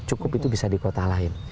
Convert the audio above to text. cukup itu bisa di kota lain